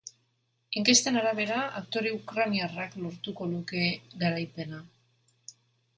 Inkesten arabera, aktore ukraniarrak lortuko luke garaipena.